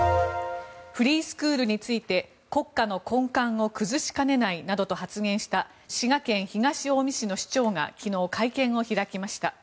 フリースクールについて国家の根幹を崩しかねないなどと発言した滋賀県東近江市の市長が昨日、会見を開きました。